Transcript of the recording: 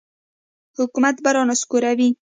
حکومت به را نسکوروي.